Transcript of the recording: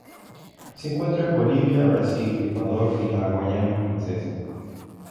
Se encuentra en Bolivia, Brasil, Ecuador y la Guayana Francesa.